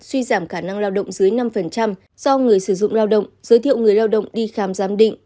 suy giảm khả năng lao động dưới năm do người sử dụng lao động giới thiệu người lao động đi khám giám định